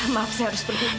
maaf saya harus pergi